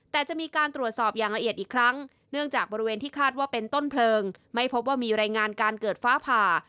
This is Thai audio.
แต่จะมีการตรวจสอบอย่างละเอียดอีกครั้งเนื่องจากบริเวณที่คาดว่าเป็นต้นเพลิงไม่พบว่ามีรายงานการเกิดฟ้าผ่า